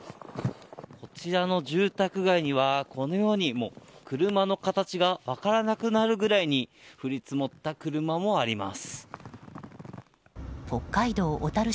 こちらの住宅街にはこのように車の形が分からなくなるぐらいに降り積もった車もあります。